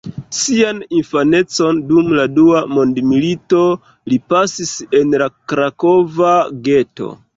Sian infanecon dum la Dua Mondmilito li pasis en la Krakova geto.